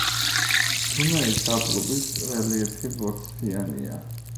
დუნაის დაბლობის რელიეფი ბორცვიანია.